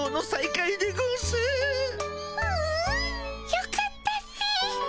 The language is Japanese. よかったっピィ。